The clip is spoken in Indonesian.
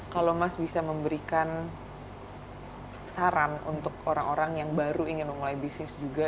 kalau mas bisa memberikan saran untuk orang orang yang baru ingin memulai bisnis juga